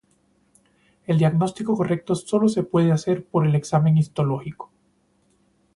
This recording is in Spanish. El diagnóstico correcto solo se puede hacer por el examen histológico.